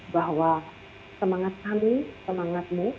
bahwa semangat kami semangatmu